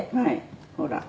ほら。